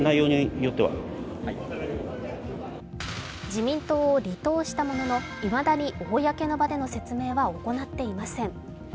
自民党を離党したもののいまだに公の場での説明は行っていません。